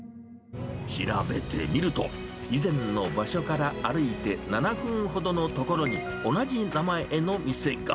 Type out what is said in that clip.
調べてみると、以前の場所から歩いて７分ほどの所に、同じ名前の店が。